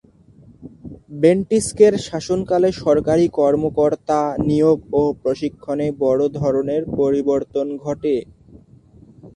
বেন্টিঙ্কের শাসনকালে সরকারি কর্মকর্তা নিয়োগ ও প্রশিক্ষণে বড় ধরনের পরিবর্তন ঘটে।